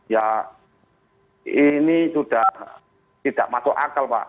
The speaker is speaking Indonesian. ya ini sudah tidak masuk akal pak